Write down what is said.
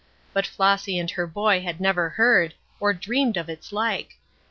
But Flossy and her boy had never heard, or dreamed of its like.